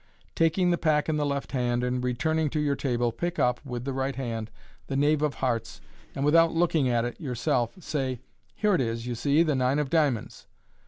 Taking the pack in the left hand, and, returning to your table, pick up (with the right hand) the knave of hearts, and without looking at it yourself, say, " Here it is, you see, the nine of diamonds."